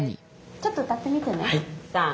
ちょっと歌ってみてねさん